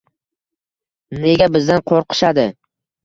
Nega bizdan qo‘rqishadi?